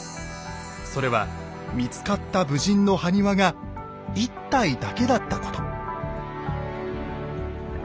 それは見つかった武人の埴輪が一体だけだったこと。